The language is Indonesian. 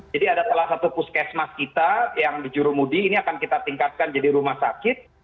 jadi ada salah satu puskesmas kita yang di jurumudi ini akan kita tingkatkan jadi rumah sakit